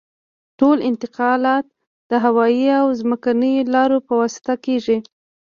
ټول انتقالات د هوایي او ځمکنیو لارو په واسطه کیږي